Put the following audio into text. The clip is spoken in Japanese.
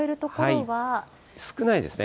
少ないですね。